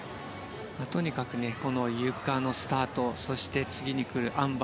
とにかくこのゆかのスタートそして次に来るあん馬